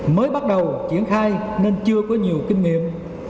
mới bắt đầu triển khai nên chưa có nhiều kinh nghiệm